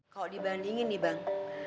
kalau dibandingin nih bang